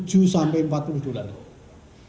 jadi kita memang harus menginvestasikan seperti itu